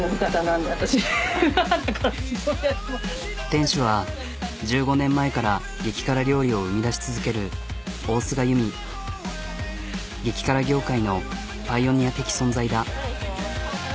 店主は１５年前から激辛料理を生み出し続ける激辛業界のパイオニア的存在だ。